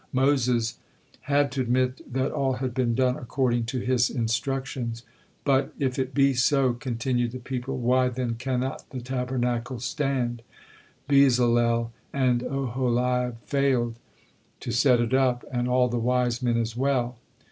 Moses had to admit that all had been done according to his instructions. "But if it be so," continued the people, "why then cannot the Tabernacle stand? Bezalel and Oholiab failed to set it up, and all the wise men as well!"